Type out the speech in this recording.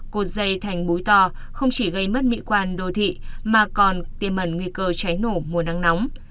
cột dây thành búi to không chỉ gây mất mỹ quan đô thị mà còn tiêm ẩn nguy cơ cháy nổ mùa nắng nóng